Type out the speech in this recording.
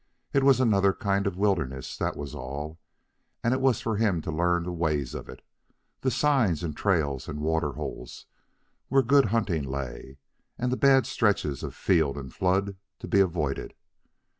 It was another kind of wilderness, that was all; and it was for him to learn the ways of it, the signs and trails and water holes where good hunting lay, and the bad stretches of field and flood to be avoided.